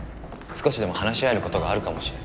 少しでも話し合える事があるかもしれ。